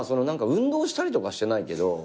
運動したりとかしてないけど。